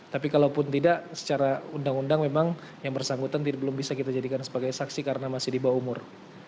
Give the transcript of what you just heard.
tapi kalau pun tidak secara undang undang memang yang bersangkutan belum bisa kita jadikan sebagai saksi karena masih di bawah umur